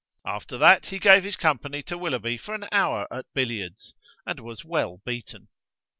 After that, he gave his company to Willoughby for an hour at billiards, and was well beaten.